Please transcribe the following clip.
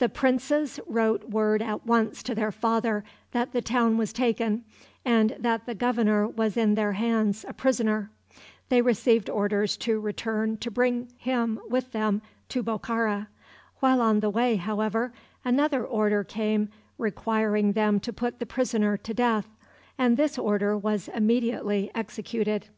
The princes wrote word at once to their father that the town was taken, and that the governor was in their hands a prisoner. They received orders in return to bring him with them to Bokhara. While on the way, however, another order came requiring them to put the prisoner to death, and this order was immediately executed.